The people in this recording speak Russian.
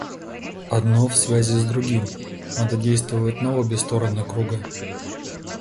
Одно в связи с другим, надо действовать на обе стороны круга.